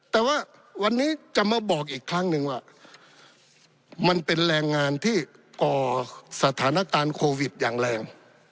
แต่ว่าวันนี้จะมาบอกอีกครั้งหนึ่งว่ามันเป็นแรงงานที่ก่อสถานการณ์โควิดอย่างแรง